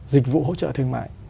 dịch vụ hỗ trợ thương mại